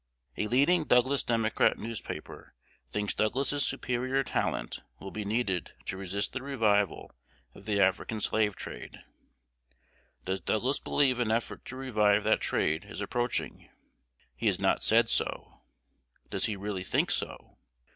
A leading Douglas Democrat newspaper thinks Douglas's superior talent will be needed to resist the revival of the African slave trade. Does Douglas believe an effort to revive that trade is approaching? He has not said so. Does he really think so?